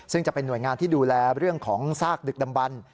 ซึ่งจะเป็นหน่วยงานที่ดูแลเรื่องของซากดึกดำบัน